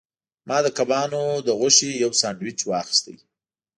ما د کبانو د غوښې یو سانډویچ واخیست.